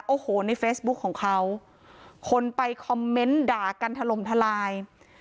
โอ้โหในเฟซบุ๊คของเขาคนไปคอมเมนต์ด่ากันถล่มทลาย